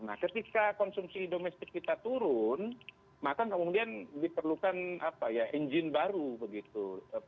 nah ketika konsumsi domestik kita turun maka kemudian diperlukan engine baru begitu